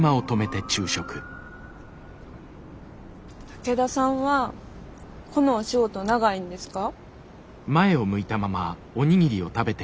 武田さんはこのお仕事長いんですか？